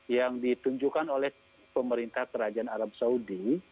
yang ditunjukkan oleh pemerintah kerajaan arab saudi